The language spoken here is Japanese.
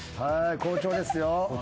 好調ですよ。